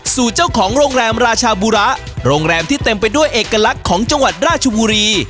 สู่เจ้าของโรงแรมราชาบุระโรงแรมที่เต็มไปด้วยเอกลักษณ์ของจังหวัดราชบุรี